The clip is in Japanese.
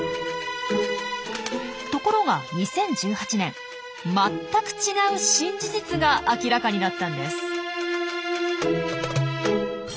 ところが２０１８年全く違う新事実が明らかになったんです。